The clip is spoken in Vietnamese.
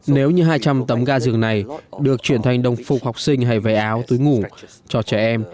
nếu như hai trăm linh tấm ga giường này được chuyển thành đồng phục học sinh hay váy áo túi ngủ cho trẻ em